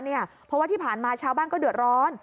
เพราะว่าที่ผ่านมาชาวบ้านก็เดือดร้อน